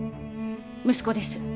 息子です。